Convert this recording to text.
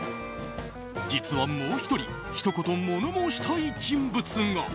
実は、もう１人ひと言物申したい人物が。